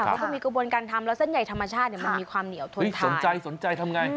เขาก็มีกระบวนการทำแล้วเส้นใหญ่ธรรมชาติเนี่ยมันมีความเหนียวทนสนใจทำไง